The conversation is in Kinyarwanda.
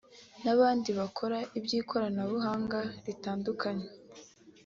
n’abandi bakora iby’ikoranabuhanga ritandukanye